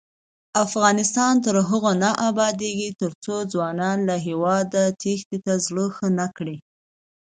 افغانستان تر هغو نه ابادیږي، ترڅو ځوانان له هیواده تېښتې ته زړه ښه نکړي.